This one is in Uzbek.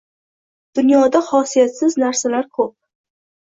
Dunyoda xosiyatsiz narsalar ko’p.